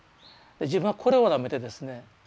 自分はこれをなめてですね